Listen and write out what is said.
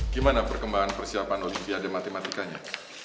gimana perkembangan persiapan olivia dan matematikanya